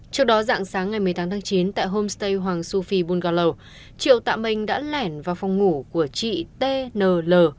trước đó dạng sáng ngày một mươi tháng chín tại homestay hoàng su phi bunkalo triệu tạ mình đã lẻn vào phòng ngủ của chị t n l